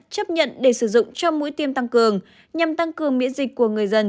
chấp nhận để sử dụng cho mũi tiêm tăng cường nhằm tăng cường miễn dịch của người dân